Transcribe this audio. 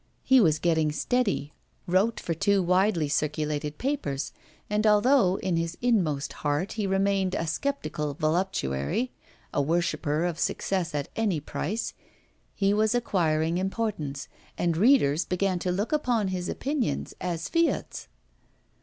He was getting steady, wrote for two widely circulated papers, and although, in his inmost heart he remained a sceptical voluptuary, a worshipper of success at any price, he was acquiring importance, and readers began to look upon his opinions as fiats.